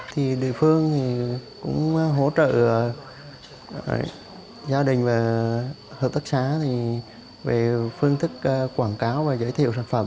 thì địa phương thì cũng hỗ trợ gia đình và hợp tác xá về phương thức quảng cáo và giới thiệu sản phẩm